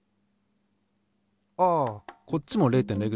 ああこっちも０．０ｇだ。